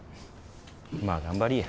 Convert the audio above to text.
まあ頑張りぃや。